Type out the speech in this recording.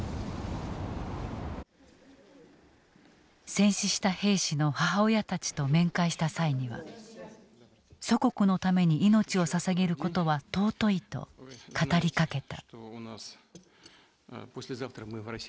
戦死した兵士の母親たちと面会した際には祖国のために命をささげることは尊いと語りかけた。